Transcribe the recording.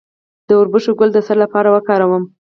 د وربشو ګل د څه لپاره وکاروم؟